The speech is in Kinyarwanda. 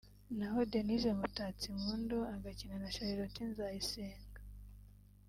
naho Denyse Mutatsimpundu agakinana na Charlotte Nzayisenga